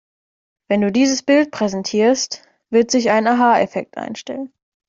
Wenn du dieses Bild präsentierst, wird sich ein Aha-Effekt einstellen.